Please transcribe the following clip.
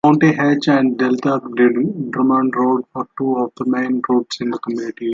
County H and Delta-Drummond Road are two of the main routes in the community.